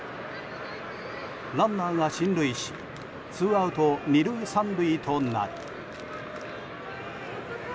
ランナーが進塁しツーアウト２塁３塁となり。